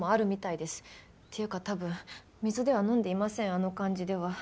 っていうか多分水では飲んでいませんあの感じでは。